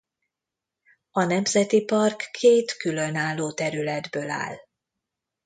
A nemzeti park két különálló területből áll.